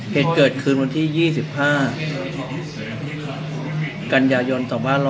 เหตุเกิดคืนวันที่๒๕กันยายน๒๕๖๐